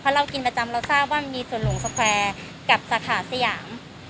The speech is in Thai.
เรากินประจำเราทราบว่ามีส่วนหลงสแควร์กับสาขาสยาม